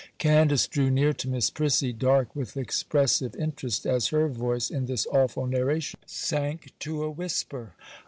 Candace drew near to Miss Prissy, dark with expressive interest, as her voice, in this awful narration, sank to a whisper.